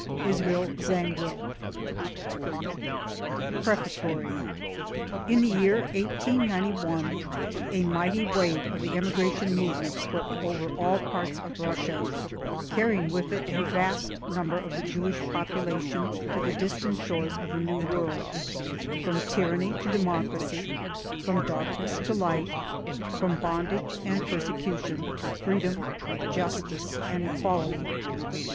I. ZANGWILL. PREFATORY In the year 1891, a mighty wave of the emigration movement swept over all parts of Russia, carrying with it a vast number of the Jewish population to the distant shores of the New World from tyranny to democracy, from darkness to light, from bondage and persecution to freedom, justice and equality.